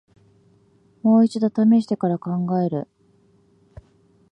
もう一度ためしてから考える